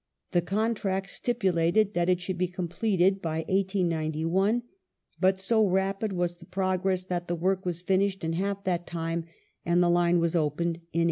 The contract stipulated that it should be completed by 1891, but so rapid was the progress that the work was finished in half that time, and the line was opened in 1886.